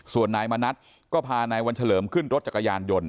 ส่วนนายมณัฐก็พานายวันเฉลิมขึ้นรถจักรยานยนต์